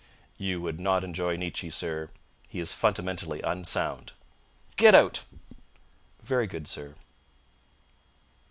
You would not enjoy Nietzsche, sir. He is fundamentally unsound." "Get out!" "Very good, sir."